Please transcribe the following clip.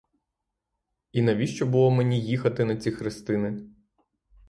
І навіщо було мені їхати на ці хрестини?